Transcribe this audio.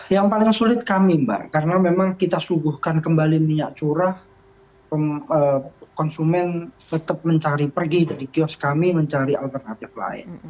yang paling sulit kami mbak karena memang kita suguhkan kembali minyak curah konsumen tetap mencari pergi dari kios kami mencari alternatif lain